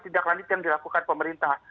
tindak lanjut yang dilakukan pemerintah